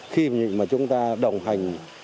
khi mà chúng ta đồng hành